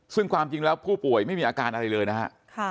ซึ่งความจริงแล้วผู้ป่วยไม่มีอาการอะไรเลยนะฮะ